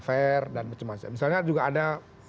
fair dan macam macam misalnya juga ada